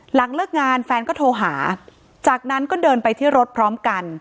หลังเลิกงานแฟนก็โทรหาจากนั้นก็เดินไปที่รถพร้อมกัน